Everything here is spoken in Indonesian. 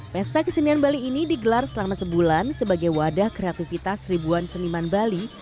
pesta kesenian bali ini digelar selama sebulan sebagai wadah kreativitas ribuan seniman bali